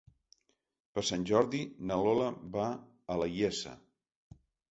Per Sant Jordi na Lola va a la Iessa.